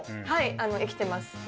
はい生きてます。